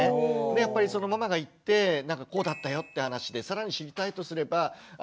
でやっぱりママが行って「こうだったよ」って話で更に知りたいとすれば